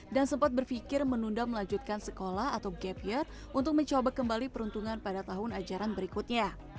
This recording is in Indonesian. dan sempat berpikir menunda melanjutkan sekolah atau gap year untuk mencoba kembali peruntungan pada tahun ajaran berikutnya